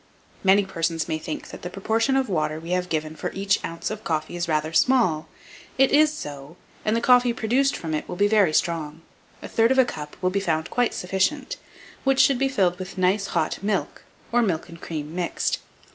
Many persons may think that the proportion of water we have given for each oz. of coffee is rather small; it is so, and the coffee produced from it will be very strong; 1/3 of a cup will be found quite sufficient, which should be filled with nice hot milk, or milk and cream mixed.